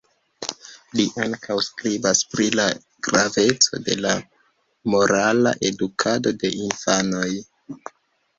Li ankaŭ skribas pri la graveco de la morala edukado de infanoj.